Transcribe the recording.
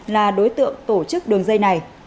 là đối tượng tổ chức đường dây này